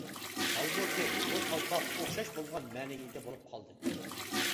ھالبۇكى، بۇ قالپاق ئوخشاش بولمىغان مەنىگە ئىگە بولۇپ قالدى.